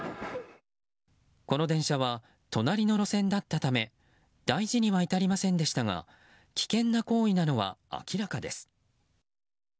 この電車は隣の路線だったため大事には至りませんでしたが危険な行為なのは明らかです。